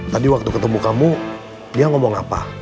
tadi waktu ketemu kamu dia ngomong apa